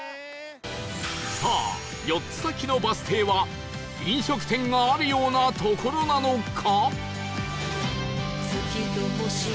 さあ４つ先のバス停は飲食店があるような所なのか？